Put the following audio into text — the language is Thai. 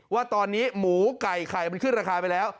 ว่าตอนนี้หมูไก่ไข่มันขึ้นราคาไปแล้ว